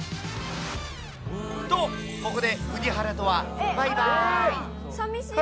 と、ここでウディ原とはバイバイ。